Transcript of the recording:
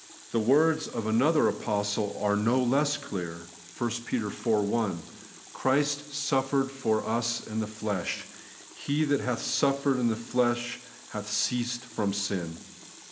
The words of another apostle are no less clear (1 Pet. iv. 1) :' Christ suffered for us in the flesh ;... he that hath suffered in the flesh hath ceased from sin.'